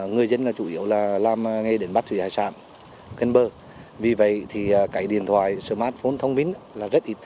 người dân là chủ yếu là làm nghề đến bắt thủy hải sản ghen bơ vì vậy thì cái điện thoại smartphone thông minh là rất ít